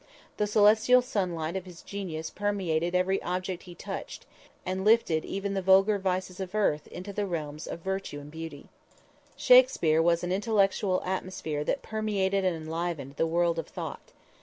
The celestial sunlight of his genius permeated every object he touched and lifted even the vulgar vices of earth into the realms of virtue and beauty. Shakspere was an intellectual atmosphere that permeated and enlivened the world of thought.